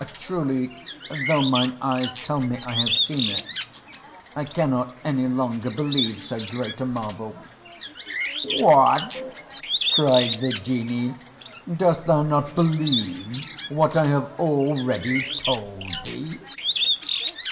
Truly, though mine eyes tell me I have seen it, I cannot any longer believe so great a marvel." "What?" cried the Genie, "dost thou not believe what I have already told thee?"